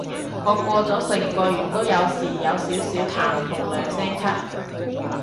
我過咗成個月都有時有少少痰同兩聲咳